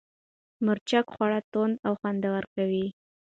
مرچک خواړه توند او خوندور کوي.